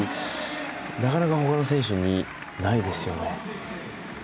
なかなか他の選手にないですよね。